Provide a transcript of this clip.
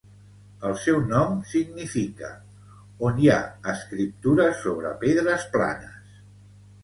El seu nom significa 'on hi ha escriptures sobre pedres planes'.